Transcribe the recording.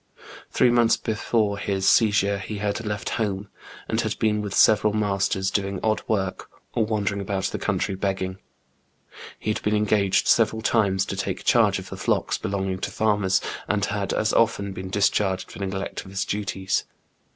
Three months before his seizure he had left home, and had been with several masters doing odd work, or wandering about the country begging. He had been engaged several times to take charge of the flocks belonging to farmers, and had as often been discharged for neglect of his duties.